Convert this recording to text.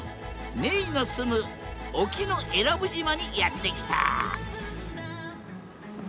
めいの住む沖永良部島にやって来た